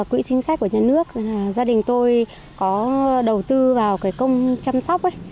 quỹ chính sách của nhân nước gia đình tôi có đầu tư vào công chăm sóc